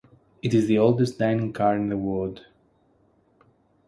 It is the oldest Dining Car in the world.